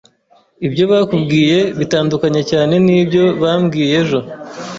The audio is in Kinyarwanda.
Ibyo bakubwiye bitandukanye cyane nibyo bambwiye ejo.